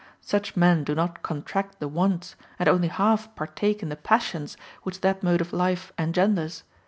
Such men do not contract the wants, and only half partake in the passions, which that mode of life engenders.